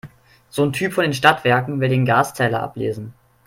So ein Typ von den Stadtwerken will den Gaszähler ablesen.